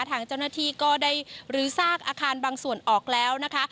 ทางเจ้าหน้าที่ก็ได้ลื้อซากอาคารบางส่วนออกแล้วนะคะ